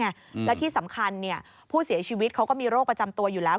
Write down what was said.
และที่สำคัญผู้เสียชีวิตเขาก็มีโรคประจำตัวอยู่แล้ว